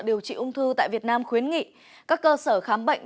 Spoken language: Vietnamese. điều trị ung thư tại việt nam khuyến nghị các cơ sở khám bệnh